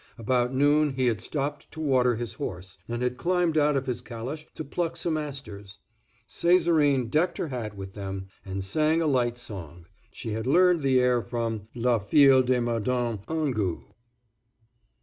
About noon he had stopped to water his horse, and had climbed out of his calash to pluck some asters; Césarine decked her hat with them, and sang a light song—she had learned the air from "La Fille de Madame Angot."